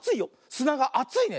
すながあついね。